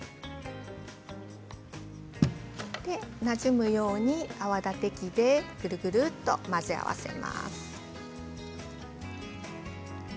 なじむように泡立て器でくるくると混ぜます。